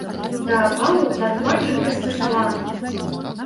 Да апалу царква не прыстасавана.